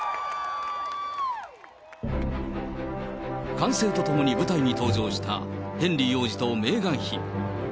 歓声とともに舞台に登場したヘンリー王子とメーガン妃。